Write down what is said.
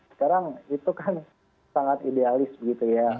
sekarang itu kan sangat idealis begitu ya